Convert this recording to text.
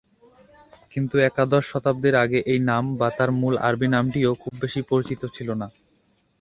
কিন্তু একাদশ শতাব্দীর আগে এই নাম বা তার মূল আরবী নামটিও খুব বেশি পরিচিত ছিল না।